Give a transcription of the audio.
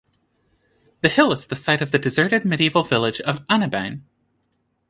The hill is the site of the deserted medieval village of Anebein.